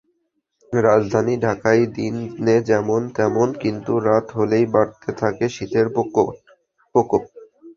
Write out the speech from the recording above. রাজধানী ঢাকায় দিনে যেমন তেমন, কিন্তু রাত হলেই বাড়তে থাকে শীতের প্রকোপ।